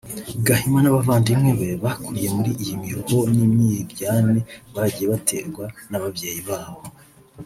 Gahima n’abavandimwe be bakuriye muri iyo miruho n’imyiryane bagiye baterwa n’ababyeyi babo